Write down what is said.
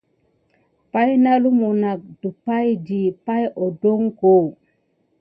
Pay nà lumu nak dupay ɗi pay oɗoko.